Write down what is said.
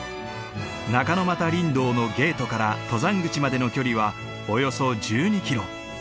中ノ岐林道のゲートから登山口までの距離はおよそ１２キロ。